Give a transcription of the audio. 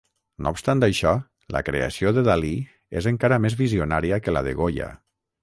No obstant això, la creació de Dalí és encara més visionària que la de Goya.